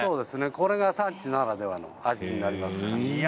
これが産地ならではの味になりますから。